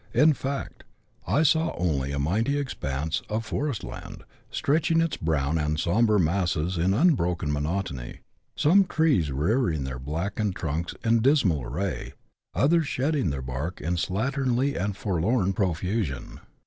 In fact, I saw only a mighty expanse of forest land, stretching its brown and sombre masses in unbroken monotony, some trees rearing their blackened trunks in dismal array, others shedding their bark in slatternly and forlorn profusion.